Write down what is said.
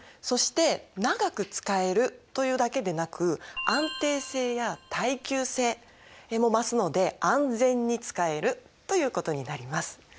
そして長く使えるというだけでなく安定性や耐久性も増すので安全に使えるということになります。